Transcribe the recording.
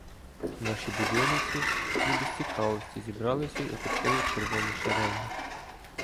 Наші "будьонівці", ніби з цікавості, зібралися й оточили червоні шеренги.